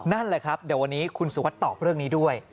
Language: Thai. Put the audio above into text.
นั่นแหละครับเดี๋ยววันนี้คุณสุวัสดิ์ตอบเรื่องนี้ด้วย